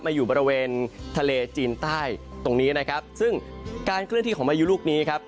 อยู่บริเวณทะเลจีนใต้ตรงนี้นะครับซึ่งการเคลื่อนที่ของพายุลูกนี้ครับ